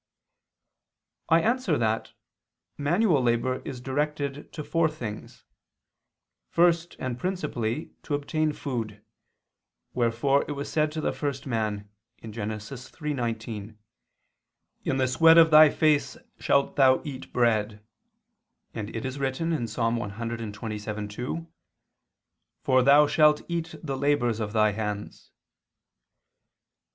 I answer that, Manual labor is directed to four things. First and principally to obtain food; wherefore it was said to the first man (Gen. 3:19): "In the sweat of thy face shalt thou eat bread," and it is written (Ps. 127:2): "For thou shalt eat the labors of thy hands."